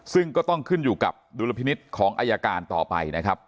ซึ่งก็ต้องขึ้นอยู่กับดุลพินิษฐ์ของอายการต่อไปนะครับ